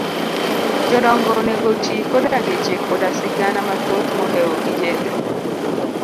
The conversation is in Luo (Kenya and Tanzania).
jodongo onego oti koda ngeche koda sigana mathoth mohewo kijende.